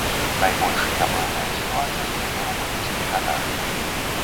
Найбольш няпэўная сітуацыя цяпер у крымскіх татар.